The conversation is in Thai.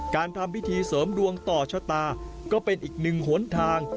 ทำพิธีเสริมดวงต่อชะตาก็เป็นอีกหนึ่งหนทาง